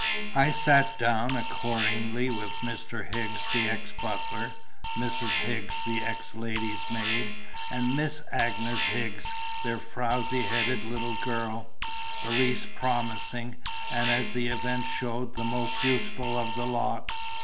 I sat down accordingly with Mr. Higgs the ex butler, Mrs. Higgs the ex lady's maid, and Miss Agnes Higgs their frowsy headed little girl, the least promising and (as the event showed) the most useful of the lot.